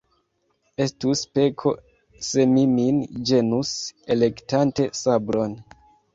Estus peko, se mi min ĝenus, elektante sabron.